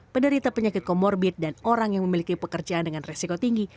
penderita penyakit komorbid dan orang yang memiliki pekerjaan dengan resiko tinggi